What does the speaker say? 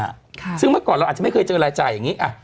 ค่ะซึ่งเมื่อก่อนเราอาจจะไม่เคยเจอรายจ่ายอย่างนี้อ่ะ